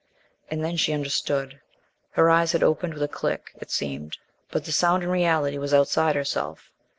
And then she understood. Her eyes had opened with a click, it seemed, but the sound, in reality, was outside herself.